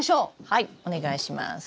はいお願いします。